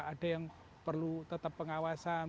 ada yang perlu tetap pengawasan